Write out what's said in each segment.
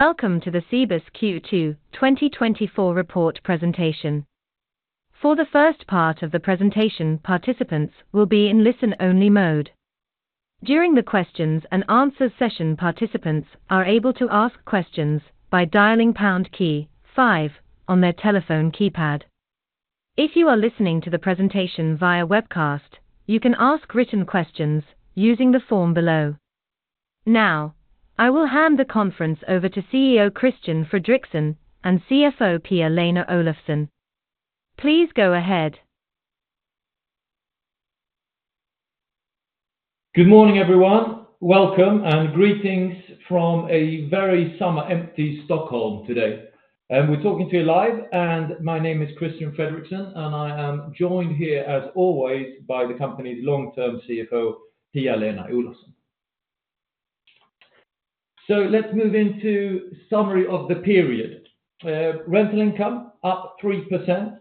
Welcome to the Cibus Q2 2024 Report Presentation. For the first part of the presentation, participants will be in listen-only mode. During the questions and answers session, participants are able to ask questions by dialing pound key five on their telephone keypad. If you are listening to the presentation via webcast, you can ask written questions using the form below. Now, I will hand the conference over to CEO Christian Fredrixon and CFO Pia-Lena Olofsson. Please go ahead. Good morning, everyone. Welcome, and greetings from a very summer empty Stockholm today. We're talking to you live, and my name is Christian Fredrixon, and I am joined here, as always, by the company's long-term CFO, Pia-Lena Olofsson. Let's move into summary of the period. Rental income, up 3%,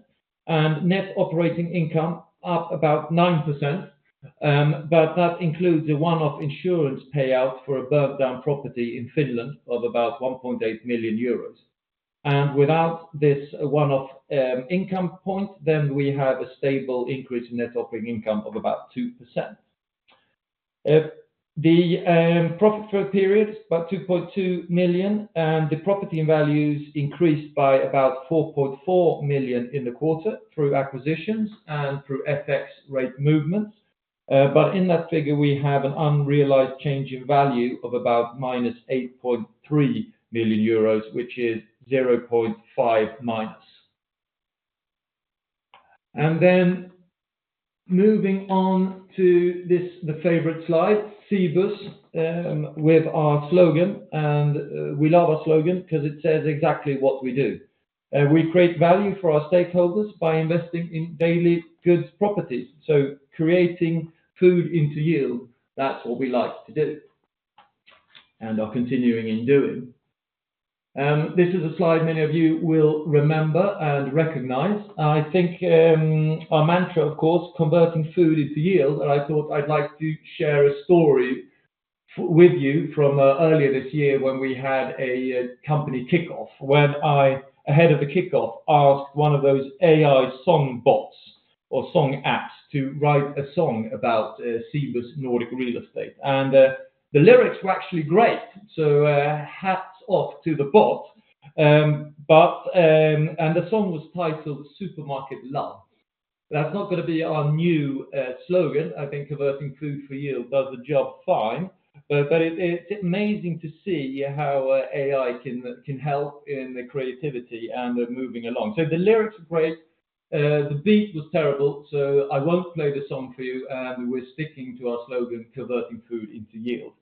and net operating income, up about 9%. But that includes a one-off insurance payout for a burnt-down property in Finland of about 1.8 million euros. And without this one-off, income point, then we have a stable increase in net operating income of about 2%. The profit for the period, about 2.2 million, and the property values increased by about 4.4 million in the quarter through acquisitions and through FX rate movements. But in that figure, we have an unrealized change in value of about -8.3 million euros, which is 0.5 months. Then moving on to this, the favorite slide, Cibus, with our slogan, and we love our slogan 'cause it says exactly what we do. We create value for our stakeholders by investing in daily goods properties, so converting food into yield, that's what we like to do, and are continuing in doing. This is a slide many of you will remember and recognize. I think, our mantra, of course, converting food into yield, and I thought I'd like to share a story from earlier this year when we had a company kickoff. When I, ahead of the kickoff, asked one of those AI song bots or song apps to write a song about Cibus Nordic Real Estate. The lyrics were actually great. So, hats off to the bot. But... and the song was titled Supermarket Love. That's not gonna be our new slogan. I think converting food for you does the job fine, but it, it's amazing to see how AI can help in the creativity and the moving along. So the lyrics are great. The beat was terrible, so I won't play the song for you. We're sticking to our slogan, "Converting food into yield."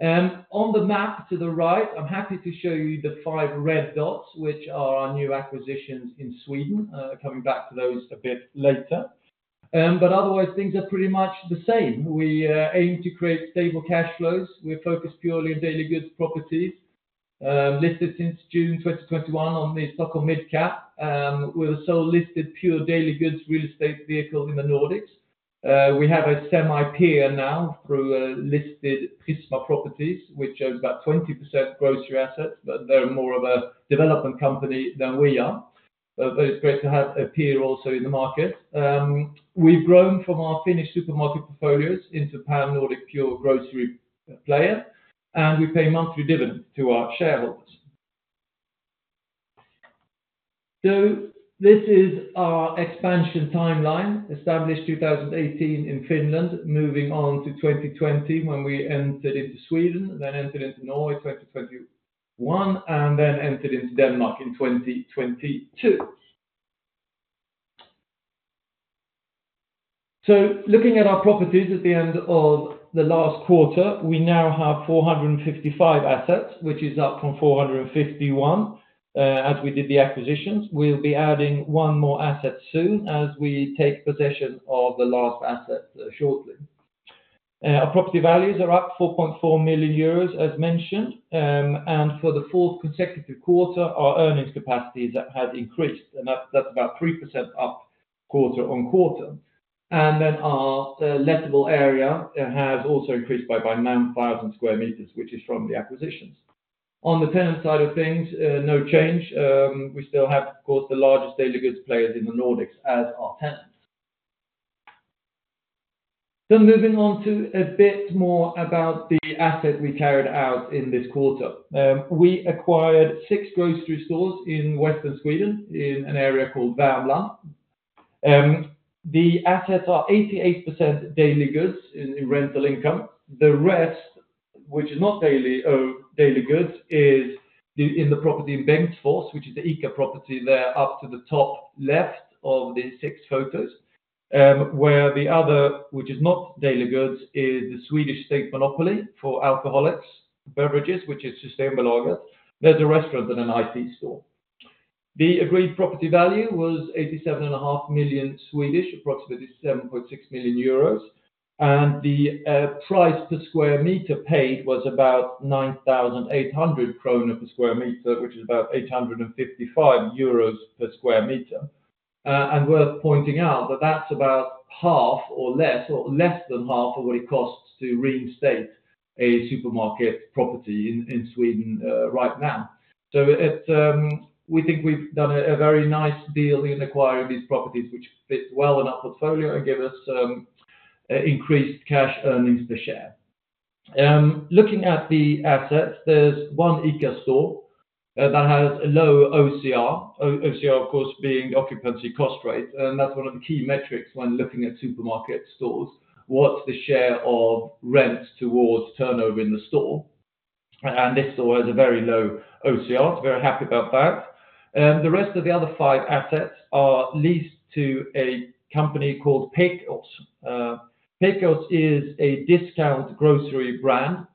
On the map to the right, I'm happy to show you the five red dots, which are our new acquisitions in Sweden. Coming back to those a bit later. Otherwise, things are pretty much the same. We aim to create stable cash flows. We're focused purely on daily goods properties, listed since June 2021 on the Stockholm Mid Cap, we're sole listed pure daily goods, real estate vehicles in the Nordics. We have a semi peer now through listed Prisma Properties, which owns about 20% grocery assets, but they're more of a development company than we are. It's great to have a peer also in the market. We've grown from our Finnish supermarket portfolios into pan-Nordic pure grocery player, and we pay monthly dividends to our shareholders. This is our expansion timeline, established 2018 in Finland, moving on to 2020 when we entered into Sweden, then entered into Norway in 2021, and then entered into Denmark in 2022. So looking at our properties at the end of the last quarter, we now have 455 assets, which is up from 451, as we did the acquisitions. We'll be adding one more asset soon as we take possession of the last asset, shortly. Our property values are up 4.4 million euros, as mentioned. And for the fourth consecutive quarter, our earnings capacity has increased, and that's about 3% up quarter-on-quarter. And then our lettable area, it has also increased by 9,000 sq m, which is from the acquisitions. On the tenant side of things, no change. We still have, of course, the largest daily goods players in the Nordics as our tenants. So moving on to a bit more about the assets we carried out in this quarter. We acquired six grocery stores in Western Sweden, in an area called Värmland. The assets are 88% daily goods in rental income. The rest, which is not daily goods, is in the property in Bengtsfors, which is the ICA property there up to the top left of the six photos. Where the other, which is not daily goods, is the Swedish state monopoly for alcoholic beverages, which is Systembolaget. There's a restaurant and an IT store. The agreed property value was 87.5 million, approximately 7.6 million euros, and the price per sq m paid was about 9,800 kronor per sq m, which is about 855 euros per sq m. And worth pointing out that that's about half or less, or less than half of what it costs to reinstate a supermarket property in Sweden right now. So it's we think we've done a very nice deal in acquiring these properties, which fit well in our portfolio and give us increased cash earnings per share. Looking at the assets, there's one ICA store that has a low OCR. OCR, of course, being occupancy cost rate, and that's one of the key metrics when looking at supermarket stores. What's the share of rents towards turnover in the store? And this store has a very low OCR, very happy about that. The rest of the other five assets are leased to a company called Pekås. Pekås is a discount grocery brand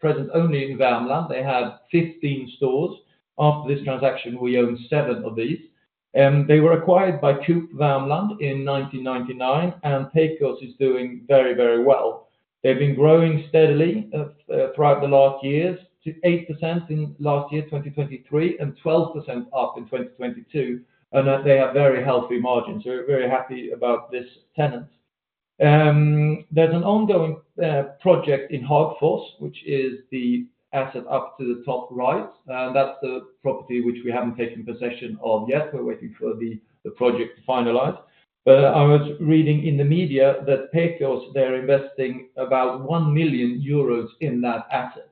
present only in Värmland. They have 15 stores. After this transaction, we own seven of these, and they were acquired by Coop Värmland in 1999, and Pekås is doing very, very well. They've been growing steadily throughout the last years to 8% in last year, 2023, and 12% up in 2022, and that they have very healthy margins, so we're very happy about this tenant. There's an ongoing project in Hagfors, which is the asset up to the top right, and that's the property which we haven't taken possession of yet. We're waiting for the project to finalize. But I was reading in the media that Pekås, they're investing about 1 million euros in that asset.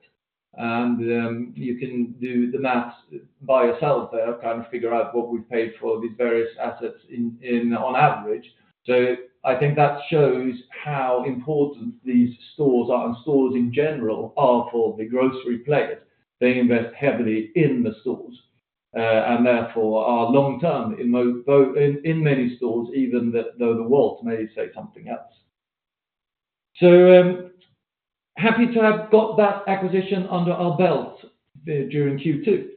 And you can do the math by yourself there, kind of figure out what we've paid for these various assets in on average. So I think that shows how important these stores are, and stores in general are for the grocery players. They invest heavily in the stores, and therefore are long term in many stores, even though the world may say something else. So, happy to have got that acquisition under our belt, during Q2.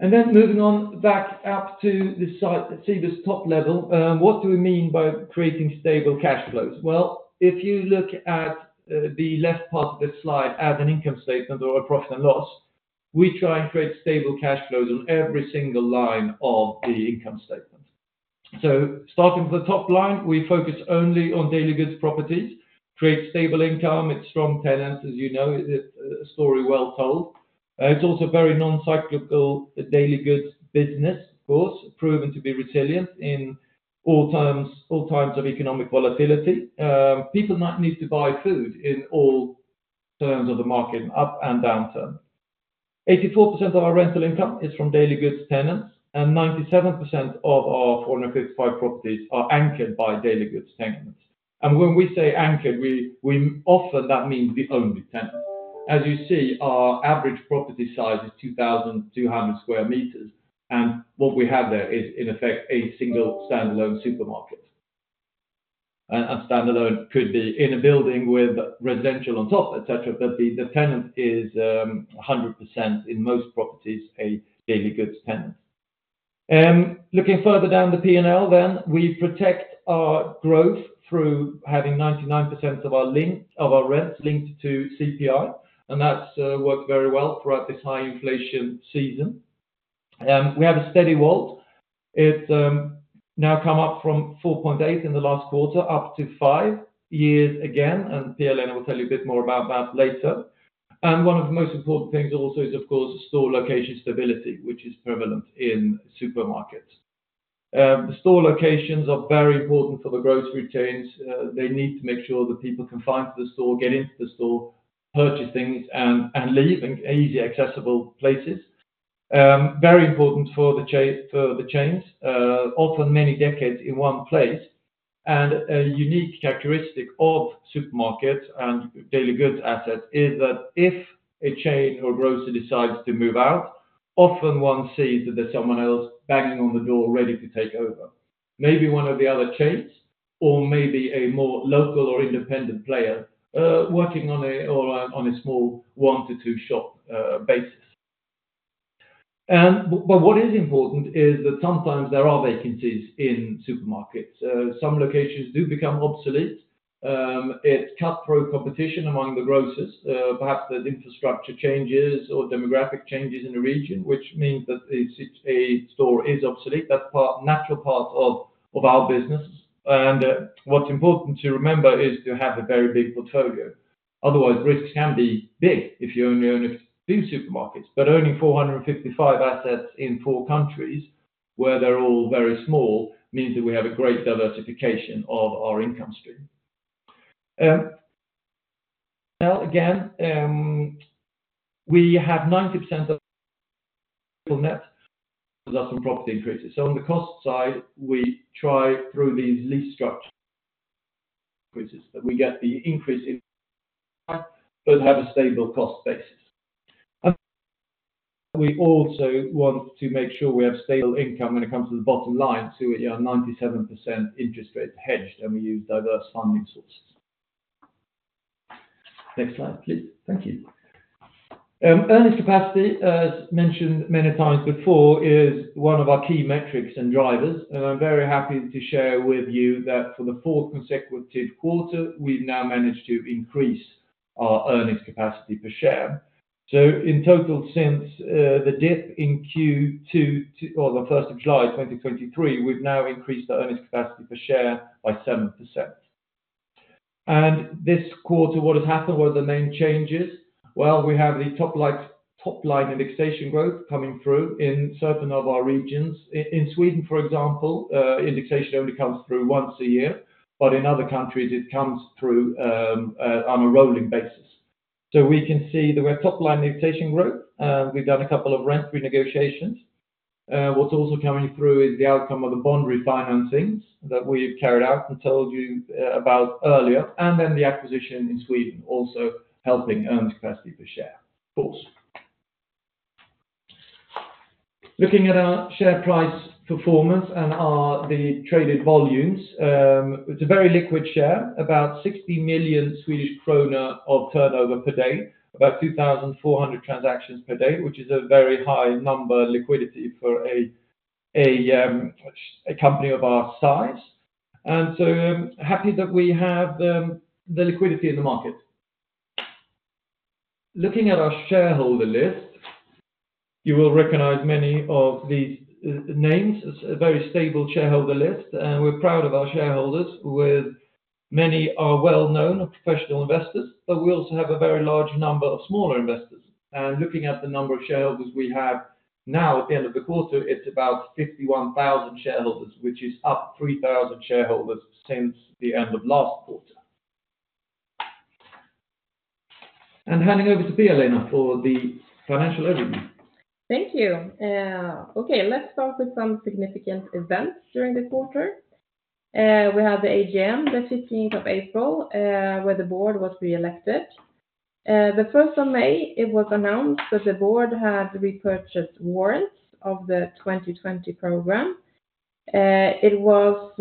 And then moving on back up to the slide, see this top level, what do we mean by creating stable cash flows? Well, if you look at the left part of this slide as an income statement or a profit and loss, we try and create stable cash flows on every single line of the income statement. So starting from the top line, we focus only on daily goods properties, create stable income. It's strong tenants, as you know, a story well told. It's also very non-cyclical daily goods business, of course, proven to be resilient in all terms, all times of economic volatility. People might need to buy food in all terms of the market, up and down term. 84% of our rental income is from daily goods tenants, and 97% of our 455 properties are anchored by daily goods tenants. And when we say anchored, we, we often, that means the only tenant. As you see, our average property size is 2,200 sq m, and what we have there is, in effect, a single standalone supermarket. And standalone could be in a building with residential on top, et cetera, but the, the tenant is, 100%, in most properties, a daily goods tenant. Looking further down the P&L, then, we protect our growth through having 99% of our rents linked to CPI, and that's worked very well throughout this high inflation season. We have a steady WALT. It's now come up from 4.8 in the last quarter, up to five years again, and Pia-Lena will tell you a bit more about that later. One of the most important things also is, of course, store location stability, which is prevalent in supermarkets. Store locations are very important for the grocery chains. They need to make sure that people can find the store, get into the store, purchase things, and leave in easy, accessible places. Very important for the chains, often many decades in one place. A unique characteristic of supermarkets and daily goods assets is that if a chain or grocery decides to move out, often one sees that there's someone else banging on the door, ready to take over. Maybe one of the other chains or maybe a more local or independent player working on a small one to two shop basis. But what is important is that sometimes there are vacancies in supermarkets. Some locations do become obsolete. It's cutthroat competition among the grocers. Perhaps there's infrastructure changes or demographic changes in the region, which means that a store is obsolete. That's a natural part of our business. What's important to remember is to have a very big portfolio. Otherwise, risks can be big if you only own a few supermarkets. But owning 455 assets in four countries, where they're all very small, means that we have a great diversification of our income stream. Well, again, we have 90% of net, because that's from property increases. So on the cost side, we try through these lease structures, which is that we get the increase in, but have a stable cost basis. We also want to make sure we have stable income when it comes to the bottom line, so we are 97% interest rate hedged, and we use diverse funding sources. Next slide, please. Thank you. Earnings capacity, as mentioned many times before, is one of our key metrics and drivers, and I'm very happy to share with you that for the fourth consecutive quarter, we've now managed to increase our earnings capacity per share. So in total, since the dip in Q2 to, or the first of July 2023, we've now increased the earnings capacity per share by 7%. And this quarter, what has happened were the main changes? Well, we have the top line, top line indexation growth coming through in certain of our regions. In Sweden, for example, indexation only comes through once a year, but in other countries, it comes through on a rolling basis. So we can see that we have top line indexation growth, we've done a couple of rent renegotiations. What's also coming through is the outcome of the bond refinancings that we've carried out and told you about earlier, and then the acquisition in Sweden also helping earnings capacity per share. Of course. Looking at our share price performance and the traded volumes, it's a very liquid share, about 60 million Swedish krona of turnover per day, about 2,400 transactions per day, which is a very high number liquidity for a company of our size. I'm happy that we have the liquidity in the market. Looking at our shareholder list, you will recognize many of the names. It's a very stable shareholder list, and we're proud of our shareholders, with many are well known professional investors, but we also have a very large number of smaller investors. Looking at the number of shareholders we have now at the end of the quarter, it's about 51,000 shareholders, which is up 3,000 shareholders since the end of last quarter. Handing over to Pia-Lena for the financial overview. Thank you. Okay, let's start with some significant events during this quarter. We had the AGM, the 15th of April, where the board was re-elected. The 1st of May, it was announced that the board had repurchased warrants of the 2020 program. It was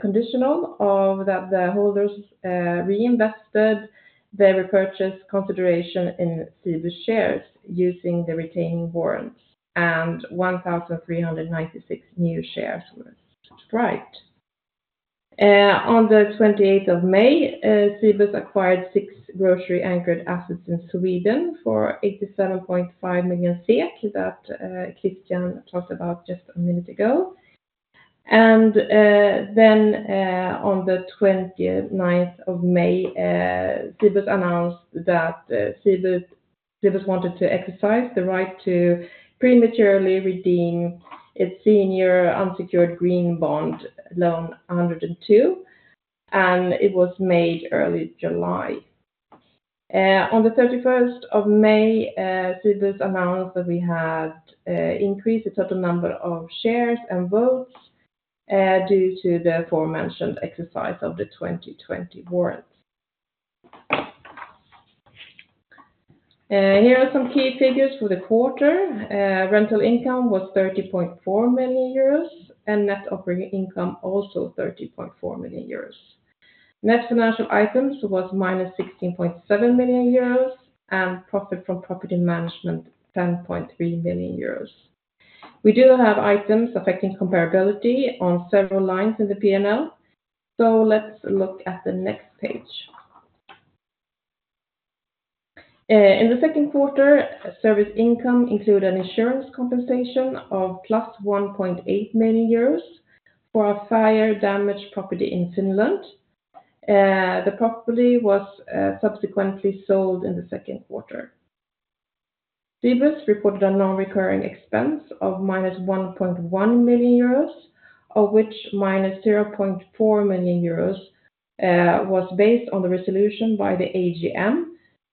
conditional of that the holders reinvested their repurchase consideration in Cibus shares using the retaining warrants, and 1,396 new shares were subscribed. On the 28th of May, Cibus acquired six grocery anchored assets in Sweden for 87.5 million SEK, that Christian talked about just a minute ago. Then, on the 29th of May, Cibus announced that Cibus wanted to exercise the right to prematurely redeem its senior unsecured green bond loan 102, and it was made early July. On the 31st of May, Cibus announced that we had increased the total number of shares and votes due to the aforementioned exercise of the 2020 warrants. Here are some key figures for the quarter. Rental income was 30.4 million euros, and net operating income, also 30.4 million euros. Net financial items was -16.7 million euros, and profit from property management, 10.3 million euros. We do have items affecting comparability on several lines in the P&L, so let's look at the next page. In the second quarter, service income include an insurance compensation of +1.8 million euros for a fire-damaged property in Finland. The property was subsequently sold in the second quarter. Cibus reported a non-recurring expense of -1.1 million euros, of which -0.4 million euros was based on the resolution by the AGM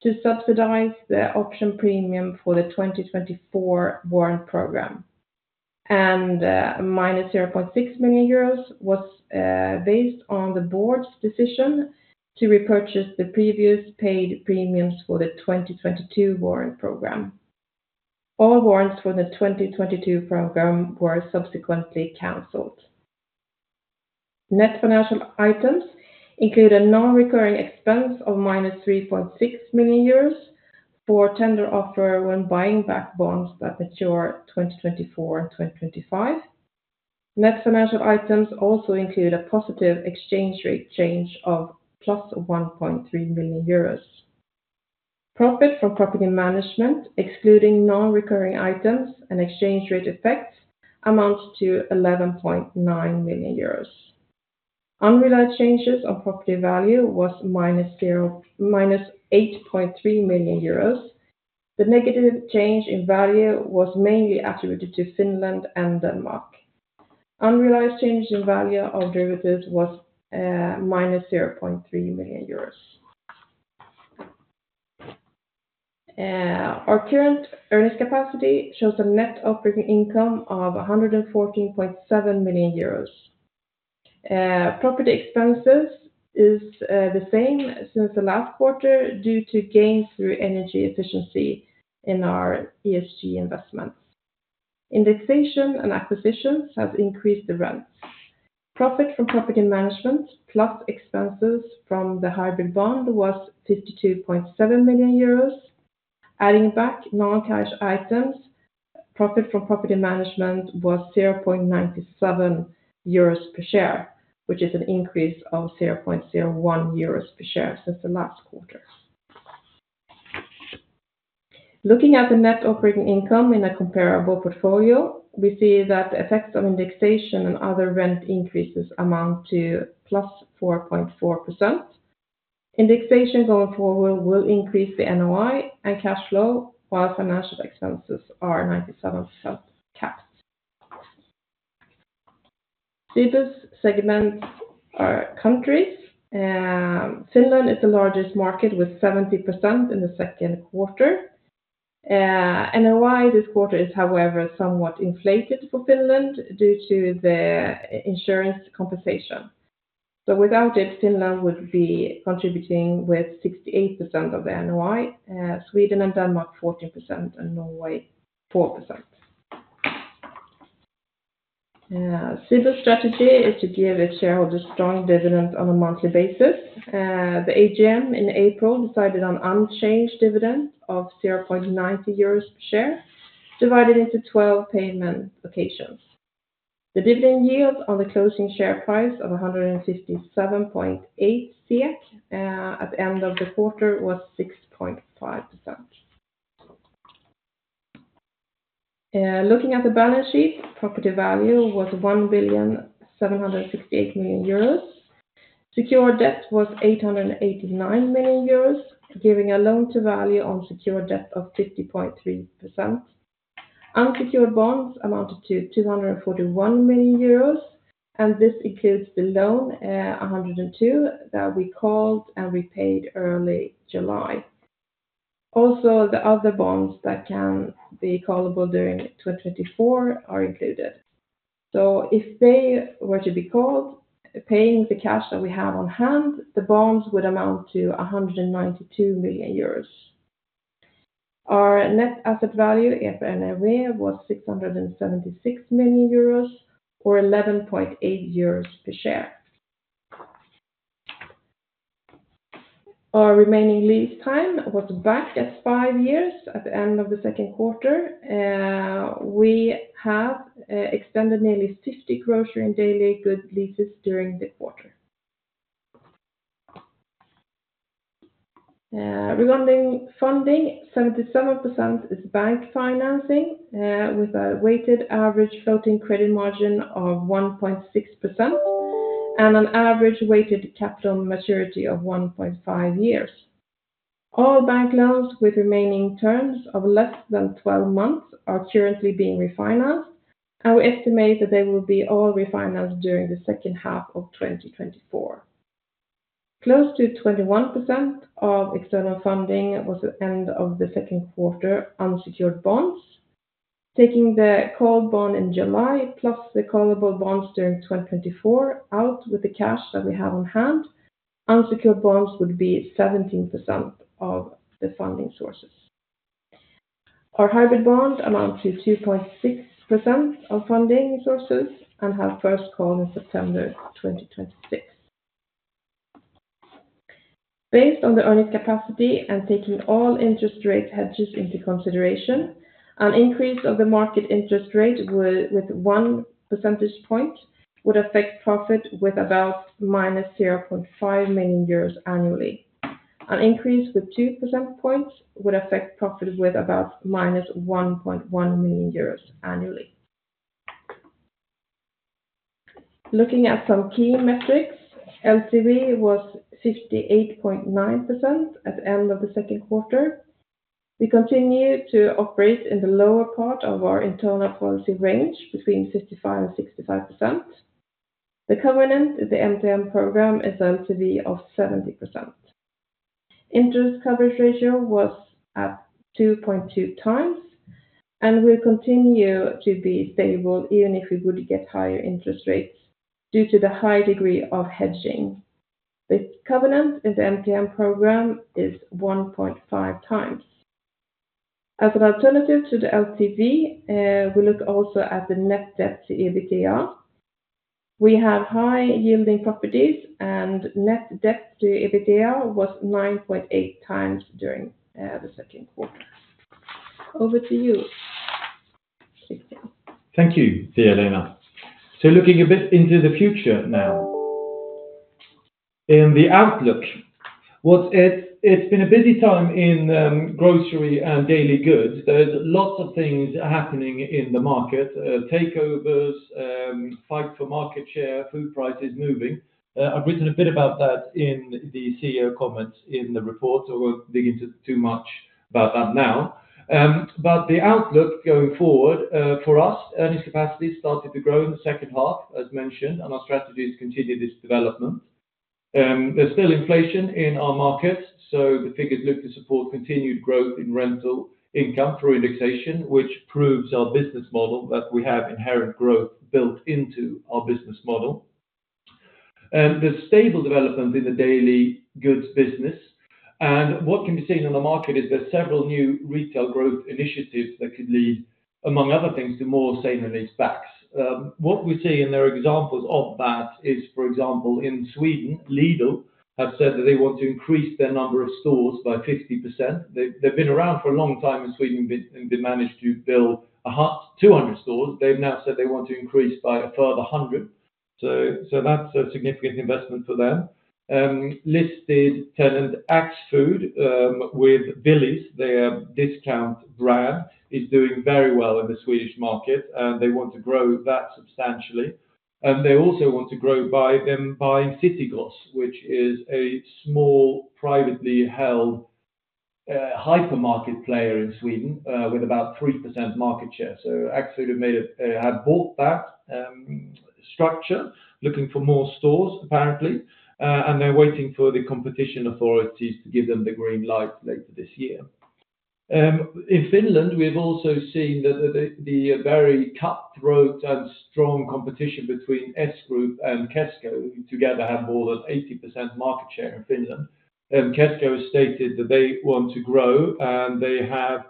to subsidize the option premium for the 2024 warrant program. And, -0.6 million euros was based on the board's decision to repurchase the previous paid premiums for the 2022 warrant program. All warrants for the 2022 program were subsequently canceled. Net financial items include a non-recurring expense of -3.6 million euros for tender offer when buying back bonds that mature 2024, 2025. Net financial items also include a positive exchange rate change of +1.3 million euros. Profit from property management, excluding non-recurring items and exchange rate effects, amounts to 11.9 million euros. Unrealized changes on property value was -8.3 million euros. The negative change in value was mainly attributed to Finland and Denmark. Unrealized changes in value of derivatives was -0.3 million euros. Our current earnings capacity shows a net operating income of 114.7 million euros. Property expenses is the same since the last quarter, due to gains through energy efficiency in our ESG investments. Indexation and acquisitions has increased the rents. Profit from property management, plus expenses from the hybrid bond, was 52.7 million euros, adding back non-cash items. Profit from property management was 0.97 euros per share, which is an increase of 0.01 euros per share since the last quarter. Looking at the net operating income in a comparable portfolio, we see that the effects of indexation and other rent increases amount to +4.4%. Indexation going forward will increase the NOI and cash flow, while financial expenses are 97% capped. Cibus segments are countries, and Finland is the largest market, with 70% in the second quarter. NOI this quarter is, however, somewhat inflated for Finland due to the insurance compensation. So without it, Finland would be contributing with 68% of the NOI, Sweden and Denmark, 14%, and Norway, 4%. Cibus' strategy is to give its shareholders strong dividends on a monthly basis. The AGM in April decided on unchanged dividend of 0.90 euros per share, divided into twelve payment occasions. The dividend yield on the closing share price of 157.8 SEK at the end of the quarter was 6.5%. Looking at the balance sheet, property value was 1.768 billion. Secured debt was 889 million euros, giving a loan-to-value on secured debt of 50.3%. Unsecured bonds amounted to 241 million euros, and this includes the Loan 102, that we called and repaid early July. Also, the other bonds that can be callable during 2024 are included. So if they were to be called, paying the cash that we have on hand, the bonds would amount to 192 million euros. Our next asset value, EPRA NRV was 676 million euros or 11.80 euros per share. Our remaining lease term was back five years at the end of the second quarter. We have extended nearly 50 grocery and daily good leases during the quarter. Regarding funding, 77% is bank financing, with a weighted average floating credit margin of 1.6%, and an average weighted capital maturity of 1.5 years. All bank loans with remaining terms of less than 12 months are currently being refinanced, and we estimate that they will be all refinanced during the second half of 2024. Close to 21% of external funding was, at the end of the second quarter, unsecured bonds. Taking the called bond in July, plus the callable bonds during 2024, out with the cash that we have on hand, unsecured bonds would be 17% of the funding sources. Our hybrid bonds amount to 2.6% of funding sources and have first call in September 2026. Based on the earnings capacity and taking all interest rate hedges into consideration, an increase of the market interest rate with one percentage point would affect profit with about minus 0.5 million euros annually. An increase with two percent points would affect profit with about minus 1.1 million euros annually. Looking at some key metrics, LTV was 58.9% at the end of the second quarter. We continue to operate in the lower part of our internal policy range, between 55% and 65%. The covenant in the MTN programme is LTV of 70%. Interest coverage ratio was at 2.2x and will continue to be stable even if we would get higher interest rates due to the high degree of hedging. The covenant in the MTN programme is 1.5x. As an alternative to the LTV, we look also at the net debt to EBITDA. We have high-yielding properties, and net debt to EBITDA was 9.8x during the second quarter. Over to you, Christian. Thank you, Pia-Lena. Looking a bit into the future now. In the outlook, it's been a busy time in grocery and daily goods. There's lots of things happening in the market, takeovers, fight for market share, food prices moving. I've written a bit about that in the CEO comments in the report, so I won't dig into too much about that now. The outlook going forward, for us, earnings capacity started to grow in the second half, as mentioned, and our strategy is to continue this development. There's still inflation in our markets, so the figures look to support continued growth in rental income through indexation, which proves our business model, that we have inherent growth built into our business model. There's stable development in the daily goods business, and what can be seen in the market is there's several new retail growth initiatives that could lead, among other things, to more same-level impacts. What we see, and there are examples of that, is, for example, in Sweden, Lidl have said that they want to increase their number of stores by 50%. They've, they've been around for a long time in Sweden and, and been managed to build 200 stores. They've now said they want to increase by a further 100. So that's a significant investment for them. Listed tenant Axfood, with Willys, their discount brand, is doing very well in the Swedish market, and they want to grow that substantially. And they also want to grow by City Gross, which is a small, privately held hypermarket player in Sweden with about 3% market share. So Axfood have bought that structure, looking for more stores, apparently, and they're waiting for the competition authorities to give them the green light later this year. In Finland, we've also seen that the very cutthroat and strong competition between S Group and Kesko together have more than 80% market share in Finland. And Kesko has stated that they want to grow, and they have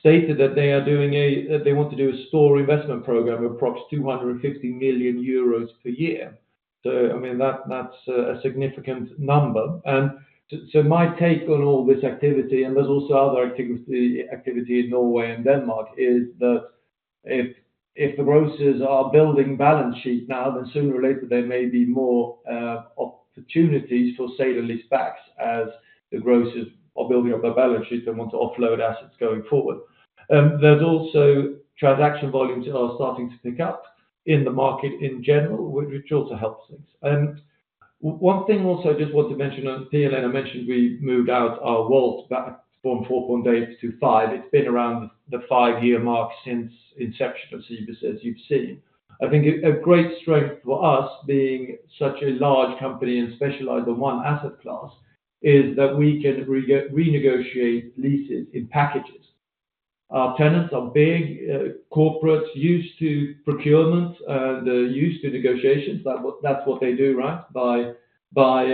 stated that they want to do a store investment program, approximately 250 million euros per year. So, I mean, that's a significant number. So my take on all this activity, and there's also other activity, activity in Norway and Denmark, is that if the grocers are building balance sheet now, then sooner or later there may be more opportunities for sale and lease backs as the grocers are building up their balance sheet and want to offload assets going forward. There's also transaction volumes are starting to pick up in the market in general, which also helps things. And one thing also I just want to mention, and Pia-Lena mentioned, we moved out our WALT back from 4.8 to 5. It's been around the 5-year mark since inception of Cibus, as you've seen. I think a great strength for us being such a large company and specialized in one asset class, is that we can renegotiate leases in packages. Our tenants are big corporates used to procurements, and they're used to negotiations. That's what they do, right? Buy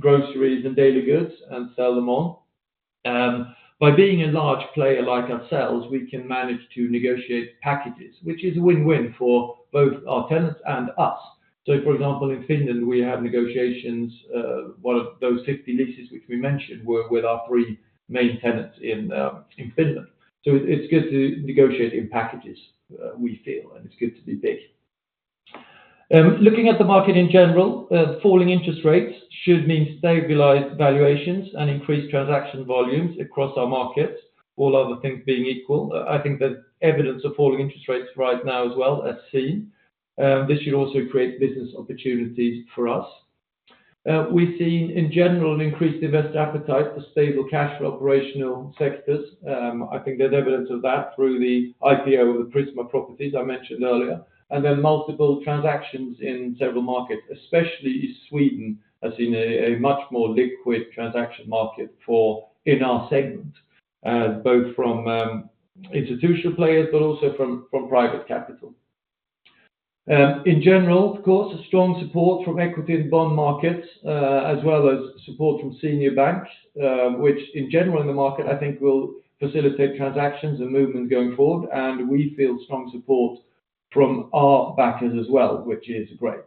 groceries and daily goods and sell them on. By being a large player like ourselves, we can manage to negotiate packages, which is a win-win for both our tenants and us. So, for example, in Finland, we have negotiations, one of those 50 leases, which we mentioned, were with our three main tenants in Finland. So it's good to negotiate in packages, we feel, and it's good to be big. Looking at the market in general, falling interest rates should mean stabilized valuations and increased transaction volumes across our markets, all other things being equal. I think there's evidence of falling interest rates right now as well, as seen. This should also create business opportunities for us. We've seen, in general, an increased investor appetite for stable cash flow operational sectors. I think there's evidence of that through the IPO of the Prisma Properties I mentioned earlier. Then multiple transactions in several markets, especially Sweden, has seen a much more liquid transaction market for in our segment, both from institutional players, but also from private capital. In general, of course, a strong support from equity and bond markets, as well as support from senior banks, which in general in the market, I think will facilitate transactions and movement going forward. We feel strong support from our backers as well, which is great.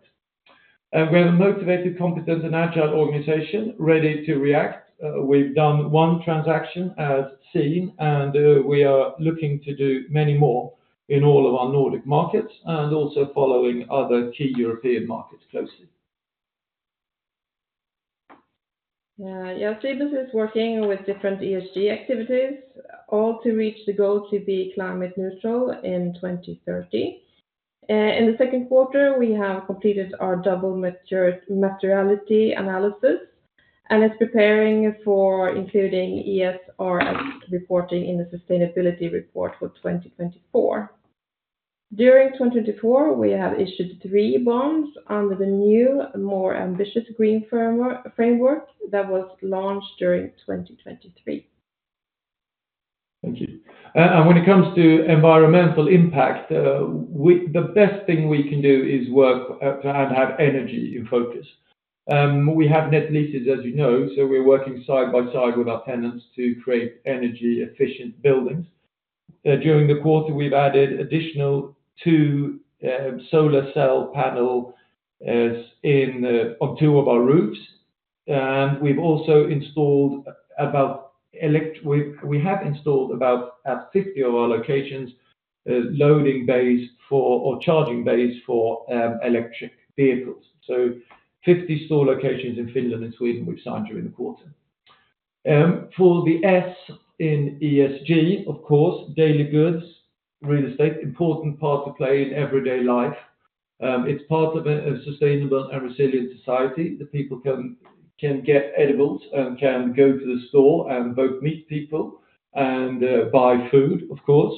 We have a motivated, competent, and agile organization ready to react. We've done one transaction, as seen, and we are looking to do many more in all of our Nordic markets and also following other key European markets closely. Yeah, Cibus is working with different ESG activities, all to reach the goal to be climate neutral in 2030. In the second quarter, we have completed our double materiality analysis and is preparing for including ESRS reporting in the sustainability report for 2024. During 2024, we have issued three bonds under the new, more ambitious green framework that was launched during 2023. Thank you. When it comes to environmental impact, the best thing we can do is work and have energy in focus. We have net leases, as you know, so we're working side by side with our tenants to create energy-efficient buildings. During the quarter, we've added additional two solar cell panel on two of our roofs. We've also installed about at 50 of our locations loading bays for or charging bays for electric vehicles. 50 store locations in Finland and Sweden we've signed during the quarter. For the S in ESG, of course, daily goods real estate important part to play in everyday life. It's part of a sustainable and resilient society, that people can get edibles and can go to the store and both meet people and buy food, of course.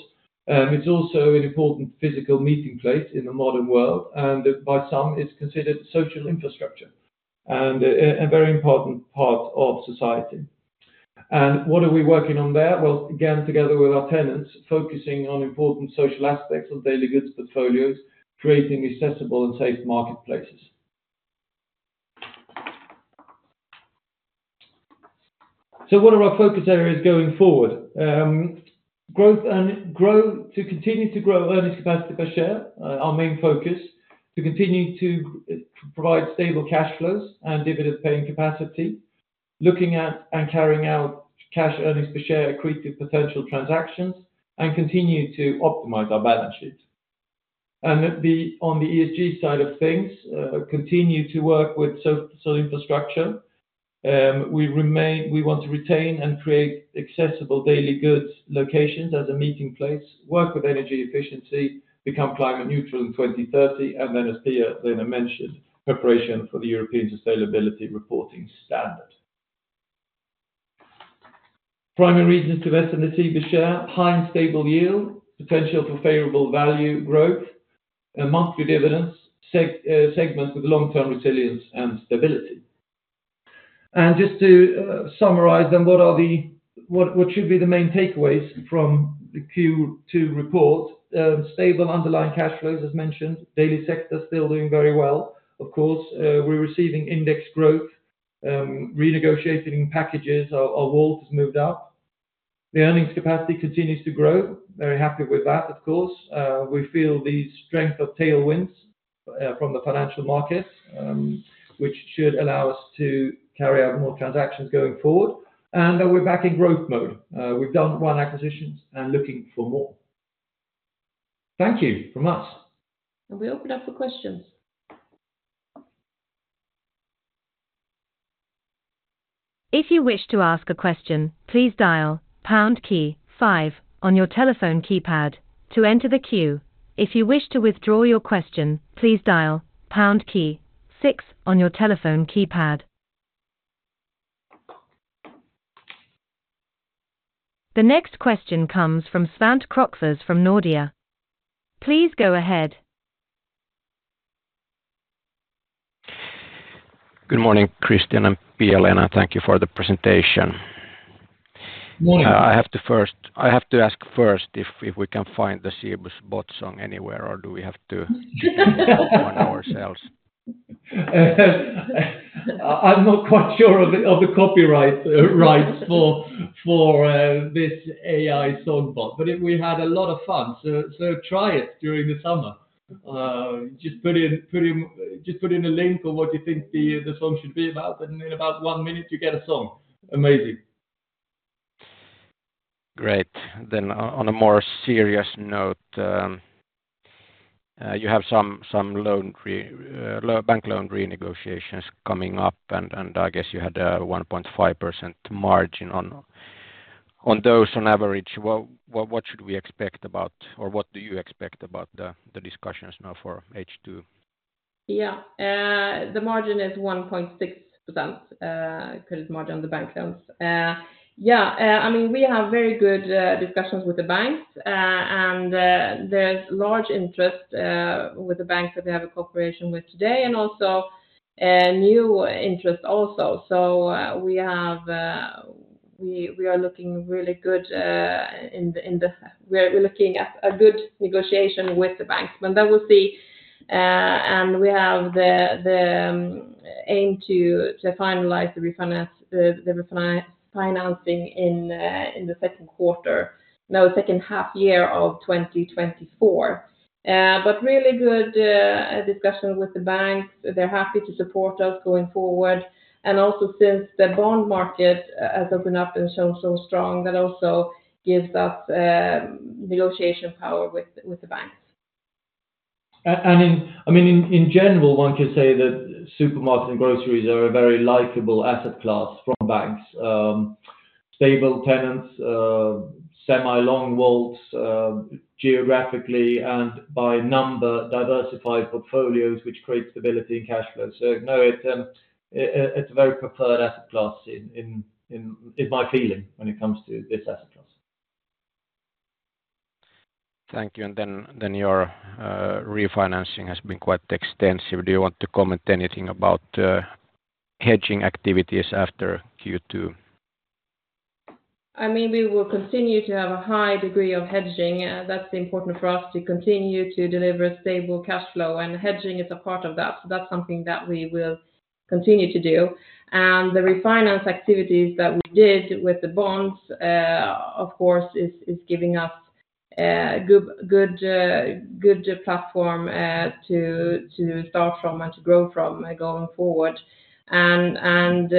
It's also an important physical meeting place in the modern world, and by some, it's considered social infrastructure, and a very important part of society. What are we working on there? Well, again, together with our tenants, focusing on important social aspects of daily goods portfolios, creating accessible and safe marketplaces. So what are our focus areas going forward? To continue to grow earnings capacity per share, our main focus, to continue to provide stable cash flows and dividend paying capacity, looking at and carrying out cash earnings per share accretive potential transactions, and continue to optimize our balance sheet. On the ESG side of things, continue to work with infrastructure. We remain we want to retain and create accessible daily goods locations as a meeting place, work with energy efficiency, become climate neutral in 2030, and then as Pia-Lena mentioned, preparation for the European Sustainability Reporting Standards. Primary reasons to invest in the Cibus share, high and stable yield, potential for favorable value growth, and monthly dividends, segments with long-term resilience and stability. And just to summarize then, what should be the main takeaways from the Q2 report? Stable underlying cash flows, as mentioned, daily sector is still doing very well. Of course, we're receiving index growth, renegotiating packages, our WALT has moved up. The earnings capacity continues to grow. Very happy with that, of course. We feel the strength of tailwinds from the financial markets, which should allow us to carry out more transactions going forward. We're back in growth mode. We've done one acquisitions and looking for more. Thank you from us. We open up for questions. If you wish to ask a question, please dial pound key five on your telephone keypad to enter the queue. If you wish to withdraw your question, please dial pound key six on your telephone keypad. The next question comes from Svante Krokfors from Nordea. Please go ahead. Good morning, Christian and Pia-Lena. Thank you for the presentation. Morning. I have to ask first if we can find the Cibus bot song anywhere, or do we have to on ourselves? I'm not quite sure of the copyright rights for this AI song bot, but it... we had a lot of fun, so try it during the summer. Just put in a link of what you think the song should be about, and in about one minute you get a song. Amazing. Great. Then, on a more serious note, you have some bank loan renegotiations coming up, and I guess you had a 1.5% margin on those on average. What should we expect, or what do you expect, about the discussions now for H2? Yeah. The margin is 1.6%, credit margin on the bank loans. Yeah, I mean, we have very good discussions with the banks, and there's large interest with the banks that we have a cooperation with today, and also new interest also. So, we are looking really good in the- we're looking at a good negotiation with the banks. But then we'll see, and we have the aim to finalize the refinancing in the second quarter, now the second half year of 2024. But really good discussion with the banks. They're happy to support us going forward. Also, since the bond market has opened up and so strong, that also gives us negotiation power with the banks. In general, one could say that supermarkets and groceries are a very likable asset class from banks. Stable tenants, semi-long WALTs, geographically, and by number, diversified portfolios, which create stability and cash flow. So no, it, it's a very preferred asset class in my feeling when it comes to this asset class. Thank you. And then, your refinancing has been quite extensive. Do you want to comment anything about hedging activities after Q2? I mean, we will continue to have a high degree of hedging. That's important for us to continue to deliver stable cash flow, and hedging is a part of that. So that's something that we will continue to do. And the refinance activities that we did with the bonds, of course, is giving us a good platform to start from and to grow from going forward. And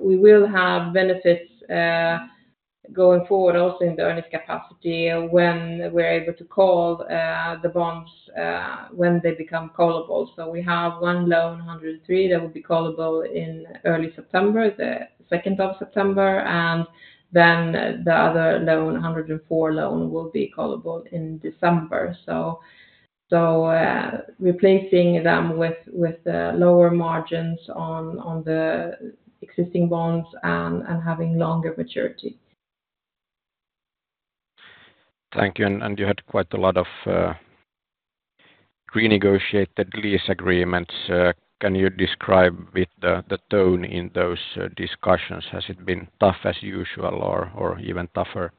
we will have benefits going forward also in the Earnings Capacity when we're able to call the bonds when they become callable. So we have one loan, 103, that will be callable in early September, the second of September, and then the other loan, 104 loan, will be callable in December. So, replacing them with lower margins on the existing bonds and having longer maturity. Thank you. And you had quite a lot of renegotiated lease agreements. Can you describe the tone in those discussions? Has it been tough as usual or even tougher?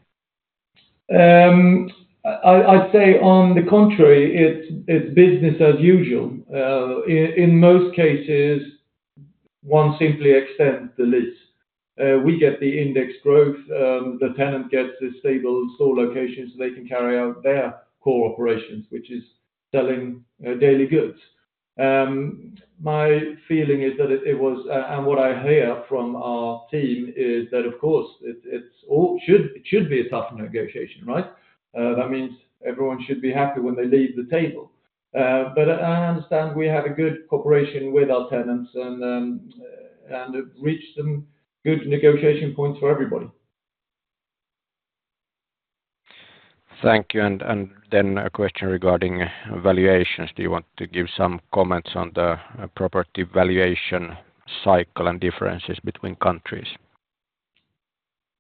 I'd say on the contrary, it's business as usual. In most cases, one simply extends the lease. We get the index growth, the tenant gets a stable store location, so they can carry out their core operations, which is selling daily goods. My feeling is that it was, and what I hear from our team is that, of course, it should be a tough negotiation, right? That means everyone should be happy when they leave the table. But I understand we have a good cooperation with our tenants, and have reached some good negotiation points for everybody. Thank you. And then a question regarding valuations. Do you want to give some comments on the property valuation cycle and differences between countries?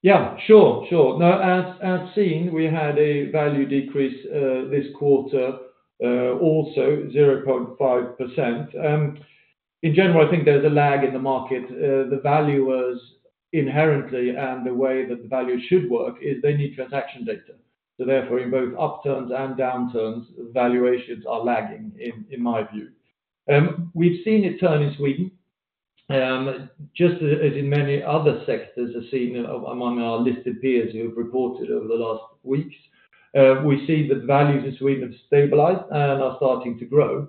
Yeah, sure, sure. Now, as seen, we had a value decrease this quarter also 0.5%. In general, I think there's a lag in the market. The valuers inherently, and the way that the value should work, is they need transaction data. So therefore, in both upturns and downturns, valuations are lagging, in my view. We've seen it turn in Sweden, just as in many other sectors are seen among our listed peers who have reported over the last weeks. We see that values in Sweden have stabilized and are starting to grow.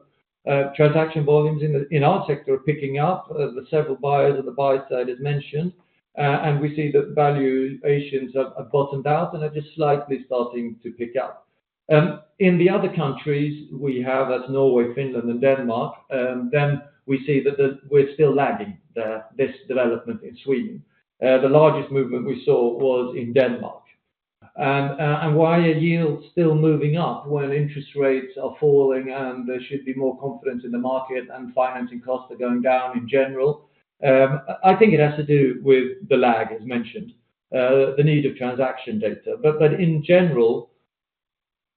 Transaction volumes in our sector are picking up, the several buyers on the buy side, as mentioned. And we see that valuations have bottomed out and are just slightly starting to pick up. In the other countries we have, as Norway, Finland, and Denmark, then we see that we're still lagging this development in Sweden. The largest movement we saw was in Denmark. And why are yields still moving up when interest rates are falling, and there should be more confidence in the market and financing costs are going down in general? I think it has to do with the lag, as mentioned, the need of transaction data. But in general,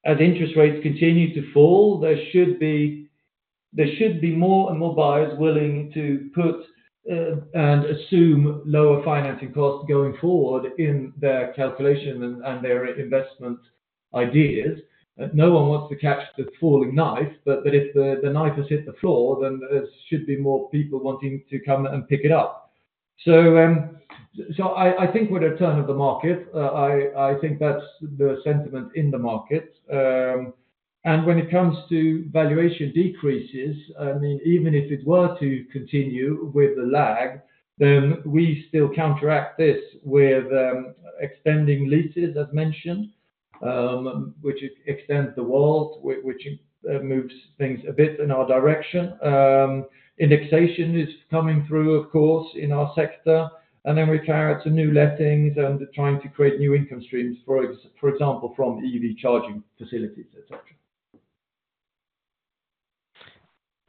as interest rates continue to fall, there should be more and more buyers willing to put and assume lower financing costs going forward in their calculation and their investment ideas. No one wants to catch the falling knife, but if the knife has hit the floor, then there should be more people wanting to come and pick it up. So, I think with a turn of the market, I think that's the sentiment in the market. And when it comes to valuation decreases, I mean, even if it were to continue with the lag, then we still counteract this with extending leases, as mentioned, which extends the walls, which moves things a bit in our direction. Indexation is coming through, of course, in our sector, and then we carry out some new lettings and trying to create new income streams, for example, from EV charging facilities, et cetera.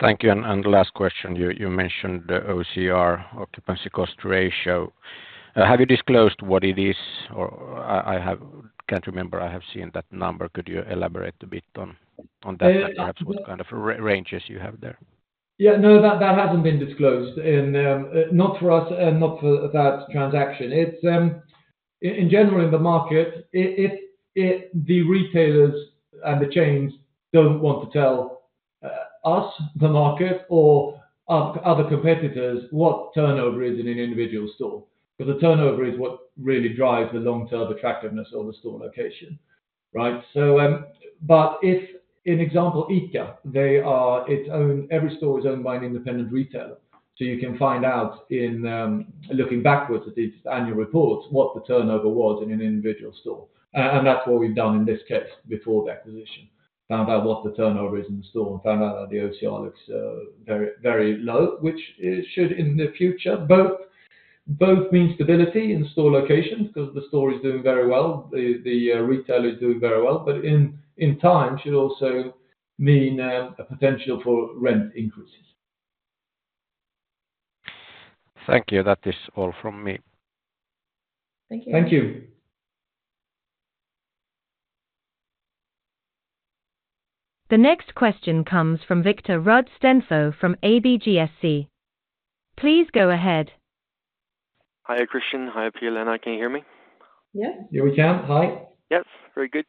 Thank you. And the last question, you mentioned the OCR, Occupancy Cost Ratio. Have you disclosed what it is? Or I have... Can't remember, I have seen that number. Could you elaborate a bit on that, and perhaps what kind of ranges you have there? Yeah. No, that hasn't been disclosed in, not for us and not for that transaction. It's in general, in the market, it, the retailers and the chains don't want to tell us, the market, or other competitors, what turnover is in an individual store. But the turnover is what really drives the long-term attractiveness of a store location, right? So, but if an example, ICA, they are, it's owned, every store is owned by an independent retailer. So you can find out in looking backwards at its annual reports, what the turnover was in an individual store. And that's what we've done in this case before the acquisition. Found out what the turnover is in the store and found out that the OCR looks very, very low, which it should in the future both mean stability in store locations, because the store is doing very well, the retailer is doing very well, but in time should also mean a potential for rent increases. Thank you. That is all from me. Thank you. The next question comes from Viktor Rud Stenlöf from ABGSC. Please go ahead. Hiya, Christian. Hi, Pia-Lena, can you hear me? Yes. Yeah, we can. Hi. Yes, very good.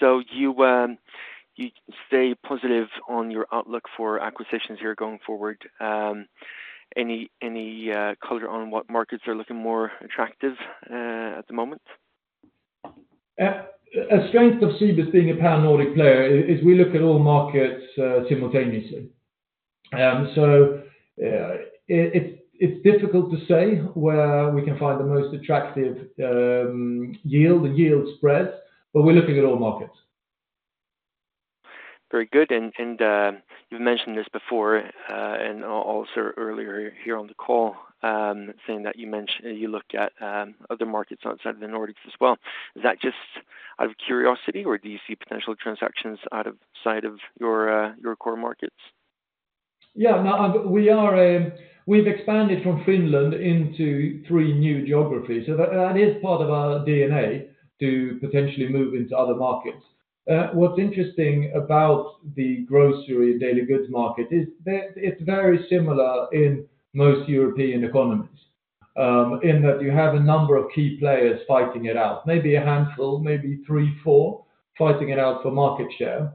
So you stay positive on your outlook for acquisitions here going forward. Any color on what markets are looking more attractive at the moment? A strength of Cibus being a Pan-Nordic player is we look at all markets simultaneously. It's difficult to say where we can find the most attractive yield, the yield spread, but we're looking at all markets. Very good. You've mentioned this before, and also earlier here on the call. You look at other markets outside the Nordics as well. Is that just out of curiosity, or do you see potential transactions outside of your core markets? Yeah. No, we are, we've expanded from Finland into three new geographies. So that, that is part of our DNA to potentially move into other markets. What's interesting about the grocery daily goods market is that it's very similar in most European economies, in that you have a number of key players fighting it out, maybe a handful, maybe three, four, fighting it out for market share.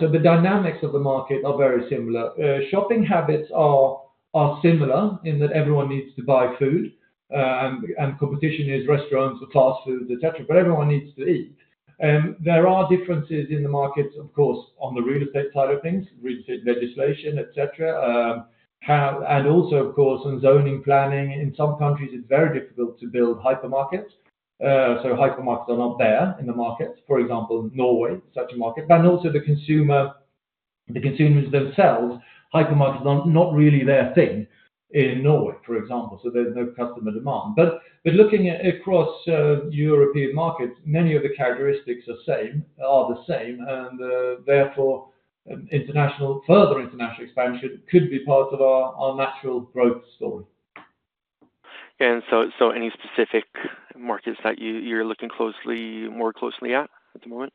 So the dynamics of the market are very similar. Shopping habits are, are similar in that everyone needs to buy food, and, and competition is restaurants or fast food, et cetera, but everyone needs to eat. There are differences in the markets, of course, on the real estate side of things, real estate legislation, et cetera, how, and also, of course, on zoning, planning. In some countries, it's very difficult to build hypermarkets. So hypermarkets are not there in the markets, for example, Norway, such a market. But also the consumers themselves, hypermarkets are not, not really their thing in Norway, for example, so there's no customer demand. But looking across European markets, many of the characteristics are same, are the same, and therefore further international expansion could be part of our, our natural growth story. So, any specific markets that you're looking more closely at the moment?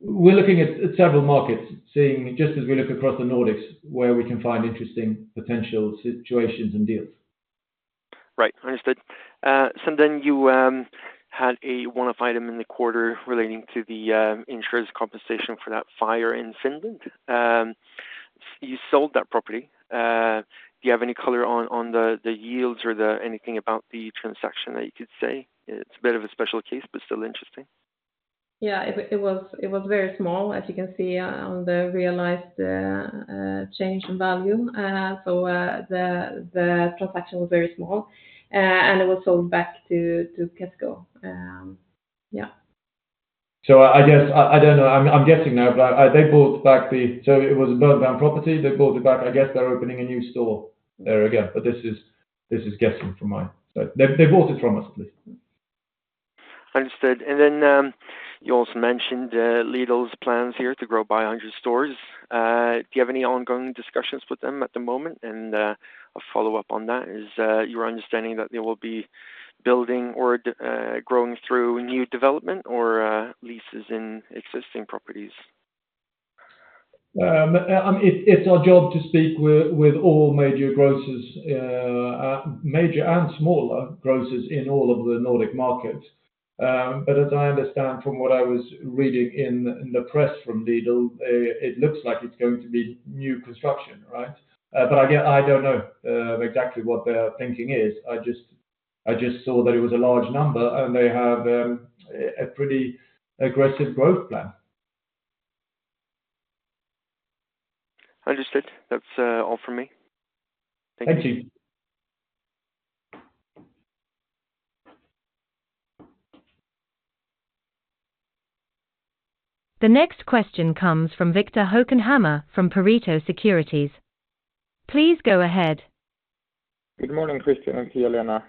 We're looking at several markets, seeing just as we look across the Nordics, where we can find interesting potential situations and deals. Right, understood. So then you had a one-off item in the quarter relating to the insurance compensation for that fire in Finland. You sold that property. Do you have any color on the yields or anything about the transaction that you could say? It's a bit of a special case, but still interesting. Yeah, it was very small, as you can see on the realized change in value. So, the transaction was very small, and it was sold back to Kesko. Yeah. So I guess I don't know. I'm guessing now, but I... They bought back the— So it was a burned down property. They bought it back. I guess they're opening a new store there again. But this is guessing from my— But they bought it from us, at least. Understood. And then, you also mentioned Lidl's plans here to grow by 100 stores. Do you have any ongoing discussions with them at the moment? And, a follow-up on that, is your understanding that they will be building or growing through new development or leases in existing properties? It's our job to speak with all major grocers, major and smaller grocers in all of the Nordic markets. But as I understand from what I was reading in the press from Lidl, it looks like it's going to be new construction, right? But again, I don't know exactly what their thinking is. I just saw that it was a large number, and they have a pretty aggressive growth plan. Understood. That's all from me. Thank you. The next question comes from Viktor Hökenhammar from Pareto Securities. Please go ahead. Good morning, Christian and Pia-Lena.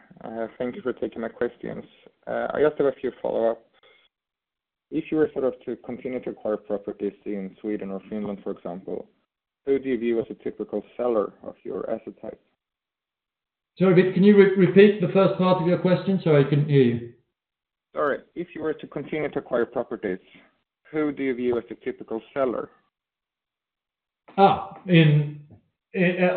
Thank you for taking my questions. I just have a few follow-ups. If you were sort of to continue to acquire properties in Sweden or Finland, for example, who do you view as a typical seller of your asset type? Sorry, Vik, can you re-repeat the first part of your question? Sorry, I couldn't hear you. Sorry. If you were to continue to acquire properties, who do you view as a typical seller?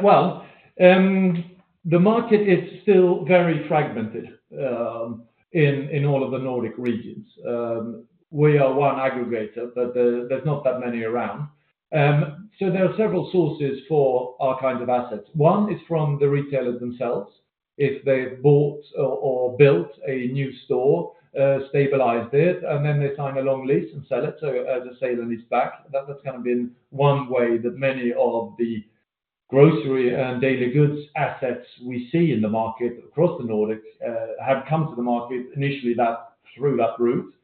Well, the market is still very fragmented in all of the Nordic regions. We are one aggregator, but there's not that many around. So there are several sources for our kinds of assets. One is from the retailers themselves. If they've bought or built a new store, stabilized it, and then they sign a long lease and sell it, so as a sale and lease back. That has kind of been one way that many of the grocery and daily goods assets we see in the market across the Nordics have come to the market initially through that route.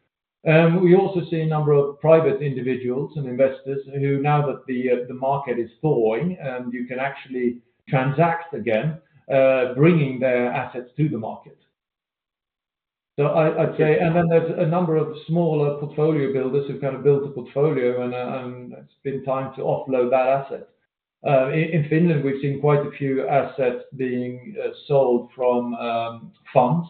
We also see a number of private individuals and investors who, now that the market is thawing, you can actually transact again, bringing their assets to the market. I'd say- Okay. And then there's a number of smaller portfolio builders who've kind of built a portfolio and it's been time to offload that asset. In Finland, we've seen quite a few assets being sold from firms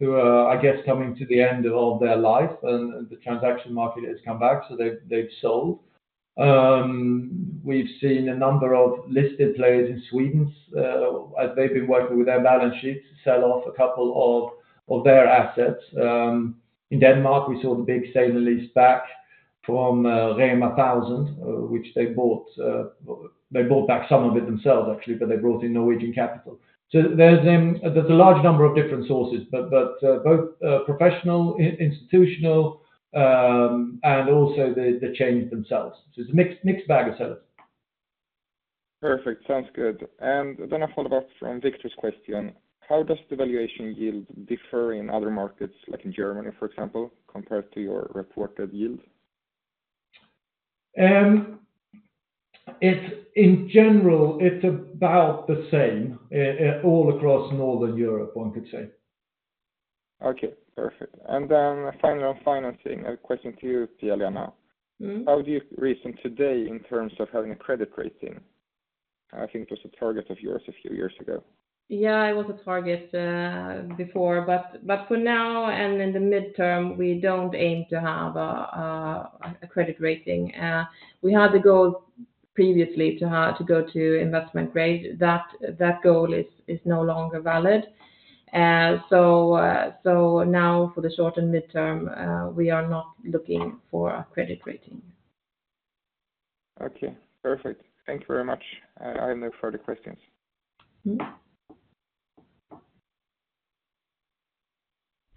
who are, I guess, coming to the end of their life, and the transaction market has come back, so they've sold. We've seen a number of listed players in Sweden, as they've been working with their balance sheets, sell off a couple of their assets. In Denmark, we saw the big sale and lease back from Rema 1000, which they bought, they bought back some of it themselves actually, but they brought in Norwegian capital. So there's a large number of different sources, but both professional institutional and also the chains themselves. It's a mixed, mixed bag of sellers. Perfect. Sounds good. And then a follow-up from Viktor's question: How does the valuation yield differ in other markets, like in Germany, for example, compared to your reported yield? It's, in general, it's about the same all across Northern Europe, one could say. Okay, perfect. Then finally, on financing, a question to you, Pia-Lena. Mm-hmm. How do you reason today in terms of having a credit rating? I think it was a target of yours a few years ago. Yeah, it was a target before, but for now and in the midterm, we don't aim to have a credit rating. We had the goal previously to have—to go to investment grade. That goal is no longer valid. So now for the short and midterm, we are not looking for a credit rating. Okay, perfect. Thank you very much. I have no further questions.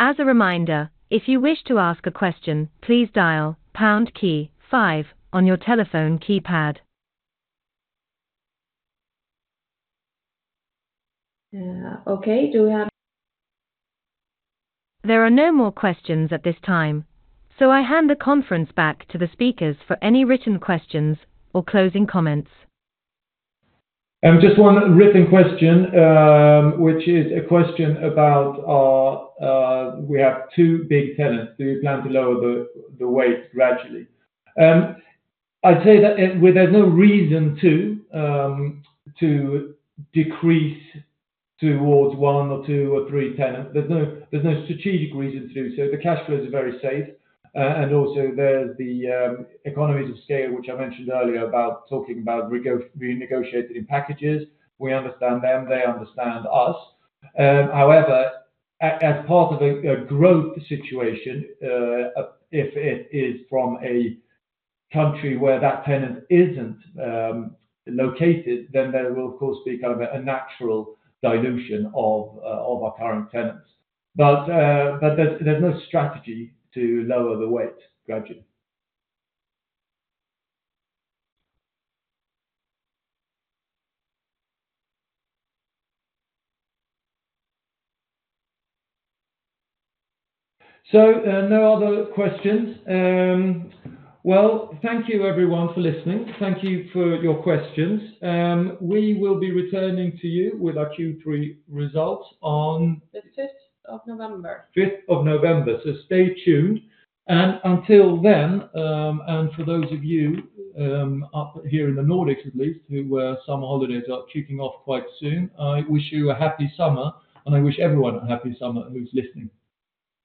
Mm-hmm. As a reminder, if you wish to ask a question, please dial pound key five on your telephone keypad. Okay. Do we have- There are no more questions at this time, so I hand the conference back to the speakers for any written questions or closing comments. Just one written question, which is a question about our... We have two big tenants. Do you plan to lower the weight gradually? I'd say that, well, there's no reason to decrease towards one or two or three tenants. There's no strategic reason to do so. The cash flows are very safe, and also there's the economies of scale, which I mentioned earlier, about talking about renegotiating packages. We understand them. They understand us. However, as part of a growth situation, if it is from a country where that tenant isn't located, then there will, of course, be kind of a natural dilution of our current tenants. But there's no strategy to lower the weight gradually. So, no other questions. Well, thank you everyone for listening. Thank you for your questions. We will be returning to you with our Q3 results on- The fifth of November. Fifth of November. So stay tuned. And until then, and for those of you up here in the Nordics at least, who summer holidays are kicking off quite soon, I wish you a happy summer, and I wish everyone a happy summer who's listening.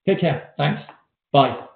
Take care. Thanks. Bye.